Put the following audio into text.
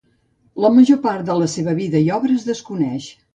La major part de la seva vida i obra es desconeix.